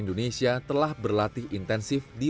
dan saya juga sangat motivasi